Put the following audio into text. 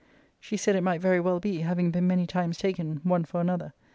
She said it might very well be, having been many times taken one for another.